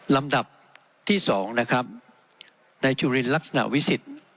ลำดับที่สองนะครับนายจุลินลักษณะวิสิทธิ์